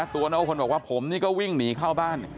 ตัวน้องพลบอกว่าผมนี่ก็วิ่งหนีเข้าบ้าน